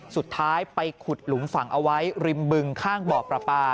สุดท้ายไปขุดหลุมฝังเอาไว้ริมบึงข้างบ่อประปา